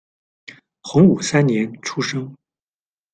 洪武三年，出生。